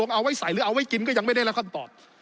เอาไว้ใส่หรือเอาไว้กินก็ยังไม่ได้รับคำตอบ